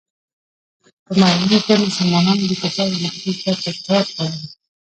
په میوند کې مسلمانانو د کفارو لښکرې تار په تار کړلې.